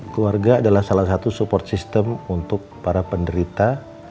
keluarga adalah salah satu support system untuk para penderita